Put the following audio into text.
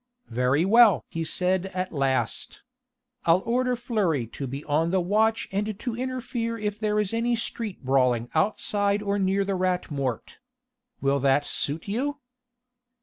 "Very well!" he said at last. "I'll order Fleury to be on the watch and to interfere if there is any street brawling outside or near the Rat Mort. Will that suit you?"